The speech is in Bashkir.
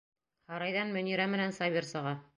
Һарайҙан Мөнирә менән Сабир сыға.